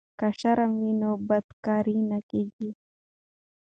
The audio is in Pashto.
که شرم وي نو بد کار نه کیږي.